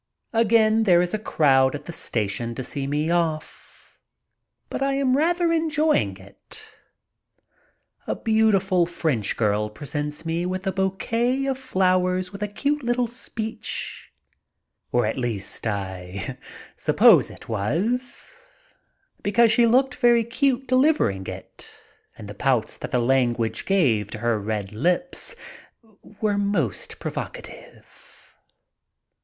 Again there is a crowd at the station to see me off, but I am rather enjoying it. A beautiful French girl presents me with a bouquet of flowers with a cute little speech, or at least I suppose it was, because she looked very cute deliver ing it, and the pouts that the language gave to her red lips, were most provocative.